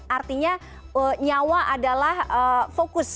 artinya nyawa adalah fokus